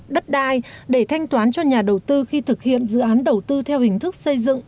đất đai để thanh toán cho nhà đầu tư khi thực hiện dự án đầu tư theo hình thức xây dựng